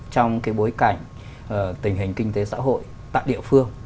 trong cái bối cảnh tình hình kinh tế xã hội tại địa phương